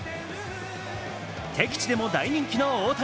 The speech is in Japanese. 敵地でも大人気の大谷。